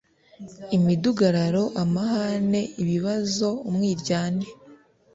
imidugararo: amahane, ibibazo, umwiryane,